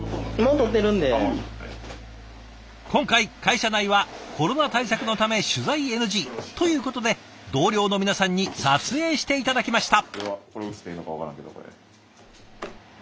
今回会社内はコロナ対策のため取材ＮＧ。ということで同僚の皆さんに撮影して頂きました。